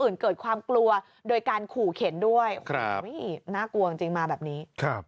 อื่นเกิดความกลัวโดยการขู่เข็นด้วยน่ากลัวจริงมาแบบนี้